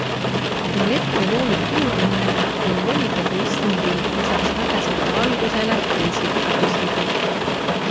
Elektrivoolu puudumine tõi volikogu istungil lisaks vähesele valgusele teisigi takistusi.